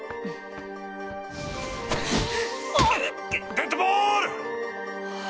デッドボール！